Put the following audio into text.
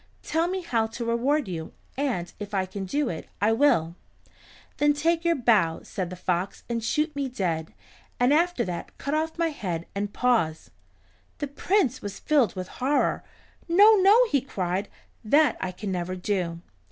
"Tell me how to reward you, and if I can do it, I will." "Then take your bow," said the fox, "and shoot me dead, and after that cut off my head and paws." The Prince was filled with horror. "No, no," he cried, "that I can never do."